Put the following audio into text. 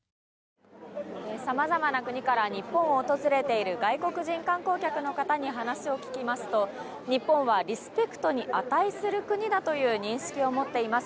様々な国から日本を訪れている外国人観光客の方に話を聞きますと日本はリスペクトに値する国だという認識を持っています。